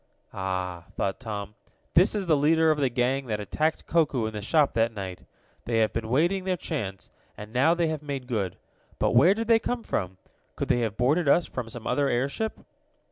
"Ah!" thought Tom. "This is the leader of the gang that attacked Koku in the shop that night. They have been waiting their chance, and now they have made good. But where did they come from? Could they have boarded us from some other airship?"